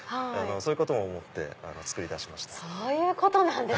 そういうことも思ってつくり出しました。